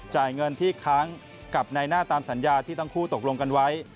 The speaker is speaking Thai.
จ่ายเงินที่ค้างกับในหน้าตามสัญญาที่ทั้งคู่ตกลงกันไว้